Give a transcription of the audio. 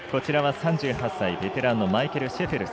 ３８歳、ベテランのマイケル・シェフェルス。